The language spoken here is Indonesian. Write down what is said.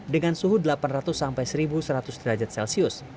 dengan suhu delapan ratus sampai satu seratus derajat celcius